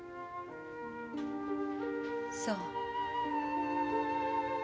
そう。